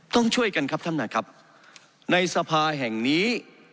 ต้องช่วยกันครับท่านประธานครับในสภาแห่งนี้